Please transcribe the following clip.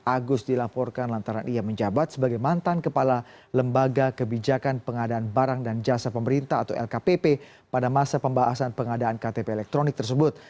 agus dilaporkan lantaran ia menjabat sebagai mantan kepala lembaga kebijakan pengadaan barang dan jasa pemerintah atau lkpp pada masa pembahasan pengadaan ktp elektronik tersebut